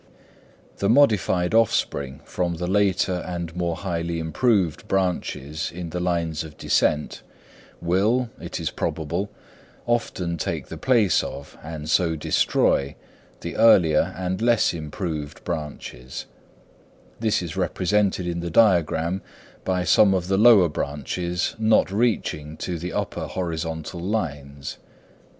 The modified offspring from the later and more highly improved branches in the lines of descent, will, it is probable, often take the place of, and so destroy, the earlier and less improved branches: this is represented in the diagram by some of the lower branches not reaching to the upper horizontal lines.